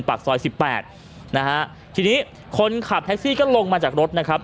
ปากซอยสิบแปดนะฮะทีนี้คนขับแท็กซี่ก็ลงมาจากรถนะครับ